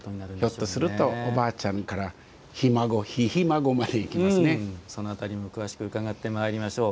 ひょっとするとおばあちゃんからひ孫その辺りも詳しく伺ってまいりましょう。